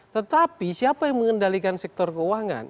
tetapi siapa yang mengendalikan sektor keuangan